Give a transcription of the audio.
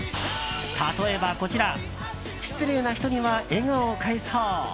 例えば、こちら「失礼な人には笑顔を返そう」。